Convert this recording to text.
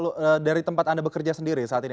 lalu dok dari tempat anda bekerja sendiri saat ini